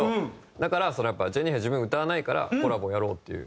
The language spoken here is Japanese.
だからそれはやっぱジェニーハイ自分歌わないからコラボやろうっていう。